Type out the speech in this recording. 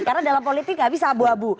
karena dalam politik gak bisa abu abu